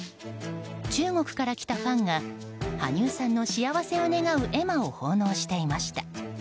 中国から来たファンが羽生さんの幸せを願う絵馬を奉納していました。